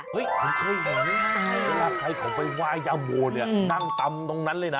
เฮ้ยผมเคยเห็นนั้นนะเวลาใครขอไปว่ายย่าโมเนี่ยนั่งตำตรงนั้นเลยนะ